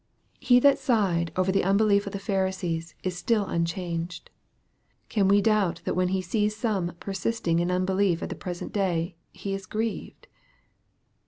He that sighed over the unbelief of the Pharisees is still unchanged. Can we doubt that when He sees some persisting in unbelief at the present day, He is grieved